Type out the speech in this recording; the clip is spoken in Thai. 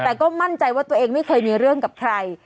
แต่ก็มั่นใจว่าตัวเองไม่เคยมีเรื่องกับใคร